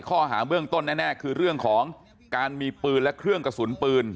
ข้อหาเบื้องต้นแน่คือเรื่องของการมีปืนและเครื่องกระสุนปืน